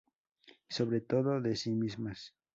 Y sobre todo, de sí mismas.